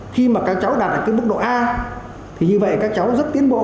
khi mà các cháu đạt được cái mức độ a thì như vậy các cháu rất tiến bộ